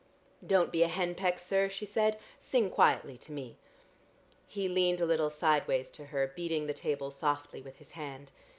"Don't be a hen peck, sir," she said. "Sing quietly to me." He leaned a little sideways to her, beating the table softly with his hand.